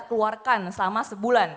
keluarkan selama sebulan